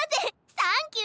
サンキュー！